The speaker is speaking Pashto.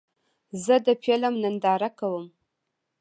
زه د فلم ننداره کوم.